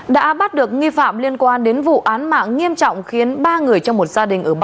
đã bắt được nghi phạm liên quan đến vụ án mạng nghiêm trọng khiến ba người trong một giam